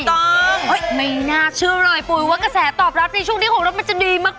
ถูกต้องไม่น่าเชื่อเลยปุ๋ยว่ากระแสตอบรับในช่วงนี้ของรถมันจะดีมาก